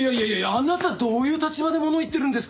あなたどういう立場で物を言ってるんですか。